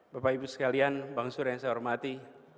bapak ibu sekalian bang sur yang saya hormati